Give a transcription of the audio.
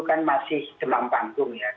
kan masih dalam panggung ya